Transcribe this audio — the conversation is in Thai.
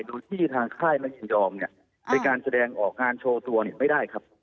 ดูที่ทางค่ายมันยอมเนี้ยอ่าไปการแสดงออกงานโชว์ตัวเนี้ยไม่ได้ครับ